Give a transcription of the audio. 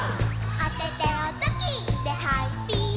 「おててをチョキでハイピース」